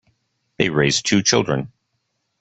They raised two children.